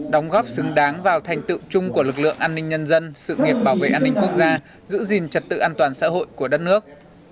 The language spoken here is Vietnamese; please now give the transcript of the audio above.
đóng góp xứng đáng vào thành tựu chung của lực lượng an ninh nhân dân sự nghiệp bảo vệ an ninh quốc gia giữ gìn trật tự an toàn xã hội của đất nước